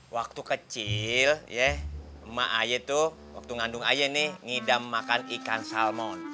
waktu kecil ya emak aja tuh waktu ngandung aja nih ngidam makan ikan salmon